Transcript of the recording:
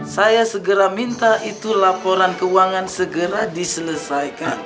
saya segera minta itu laporan keuangan segera diselesaikan